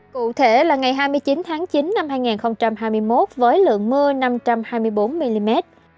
cụ thể là ngày hai mươi chín tháng chín năm hai nghìn hai mươi một với lượng mưa năm trăm hai mươi bốn mm